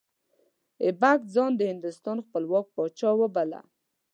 ایبک ځان د هندوستان خپلواک پاچا وباله.